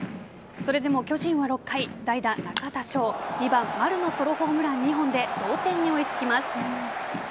それでも巨人は６回代打・中田翔２番・丸のソロホームラン２本で同点に追いつきます。